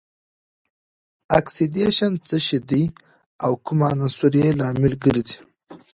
اکسیدیشن څه شی دی او کوم عنصر یې لامل ګرځي؟